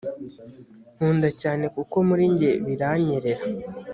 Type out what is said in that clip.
nkunda cyane kuko muri njye biranyerera